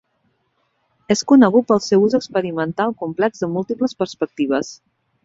És conegut pel seu ús experimental complex de múltiples perspectives.